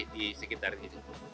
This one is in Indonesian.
di sekitar itu